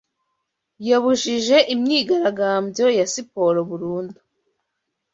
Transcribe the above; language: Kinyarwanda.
yabujije imyigaragambyo ya siporo burundu